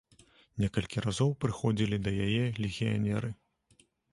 Некалькі разоў прыходзілі да яе легіянеры.